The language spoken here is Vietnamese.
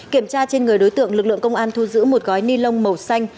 kiểm tra trên người đối tượng lực lượng công an thu giữ một gói ni lông màu xanh